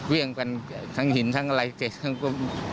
เวี่ยงกันทั้งหินทั้งอะไรเจ็ดทั้งก็มีไม่หมด